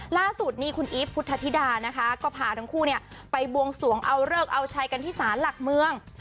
ล่าสุดนี่คุณอีฟพุทธธิดานะคะก็พาทั้งคู่ไปบวงสวงเอาเลิกเอาชัยกันที่ศาลหลักเมือง